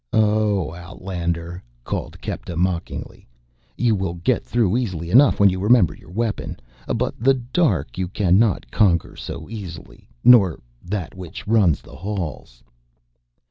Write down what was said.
"Oh, outlander," called Kepta mockingly, "you will get through easily enough when you remember your weapon. But the dark you can not conquer so easily, nor that which runs the halls."